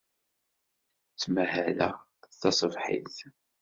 Ttmahaleɣ taṣebḥit.